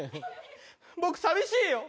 僕、寂しいよ。